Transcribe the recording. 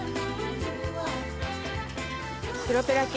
プロペラ犬